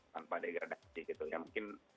tanpa degradasi gitu ya mungkin